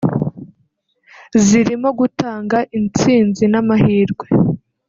zirimo gutanga intsinzi n’amahirwe